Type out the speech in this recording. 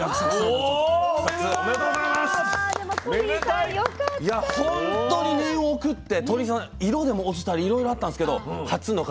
いや本当に念を送って鳥井さん色でも落ちたりいろいろあったんですけど初の「輝」